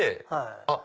「あっ！